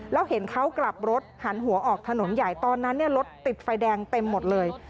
แล้วเห็นเขากลับรถหันหัวออกถนนใหญ่ตอนนั้นรถติดไฟแดงเต็มหมดเลย